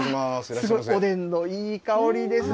おでんのいい香りですね。